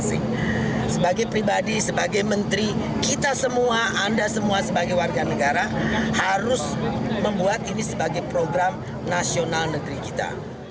sebagai pribadi sebagai menteri kita semua anda semua sebagai warga negara harus membuat ini sebagai program nasional negeri kita